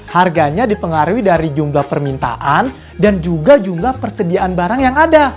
harganya dipengaruhi dari jumlah permintaan dan juga jumlah persediaan barang yang ada